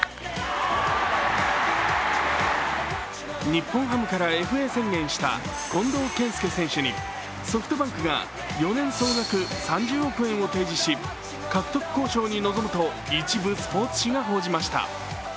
日本ハムからＦＡ宣言した近藤健介選手にソフトバンクが４年総額３０億円を提示し獲得交渉に臨むと一部、スポーツ紙が報じました。